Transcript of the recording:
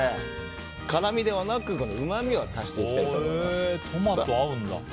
辛みではなく、うまみを足していきたいと思います。